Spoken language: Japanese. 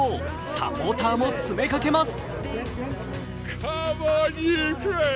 サポーターも詰めかけます。